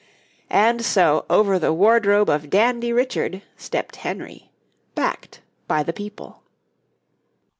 And so over the wardrobe of Dandy Richard stepped Henry, backed by the people.